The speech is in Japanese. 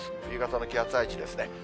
夕方の気圧配置ですね。